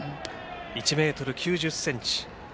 １ｍ９０ｃｍ。